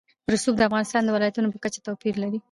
رسوب د افغانستان د ولایاتو په کچه توپیر لري.